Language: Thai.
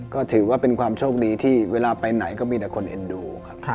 ก็ถือว่าเป็นความโชคดีที่เวลาไปไหนก็มีแต่คนเอ็นดูครับ